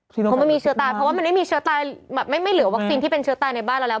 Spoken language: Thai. ภารกรุณแม่มีเชื้อตายเพราะว่ามันยังไม่เหลือวัคซีนที่เป็นในบ้านเราแล้ว